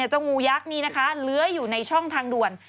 เจ้างูยักษ์นี้นะคะเลื้อยอยู่ในช่องทางด่วน